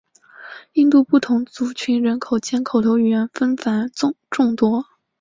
印度不同族群人口间口头语言纷繁众多。